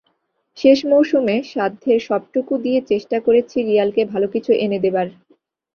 শেষ মৌসুমে সাধ্যের সবটুকু দিয়ে চেষ্টা করেছি রিয়ালকে ভালো কিছু এনে দেবার।